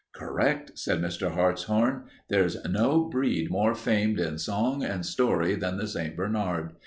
"Correct," said Mr. Hartshorn. "There's no breed more famed in song and story than the St. Bernard.